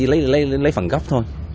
lấy phần gốc thôi